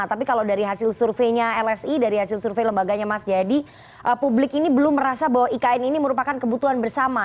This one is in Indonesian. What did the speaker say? tapi kalau dari hasil surveinya lsi dari hasil survei lembaganya mas jayadi publik ini belum merasa bahwa ikn ini merupakan kebutuhan bersama